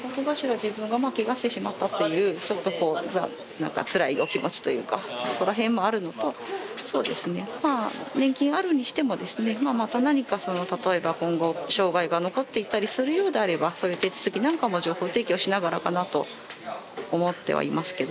自分がまあケガしてしまったっていうちょっとこうつらいお気持ちというかそこら辺もあるのとそうですねまあ年金あるにしてもですねまた何か例えば今後障害が残っていったりするようであればそういう手続きなんかも情報提供しながらかなと思ってはいますけど。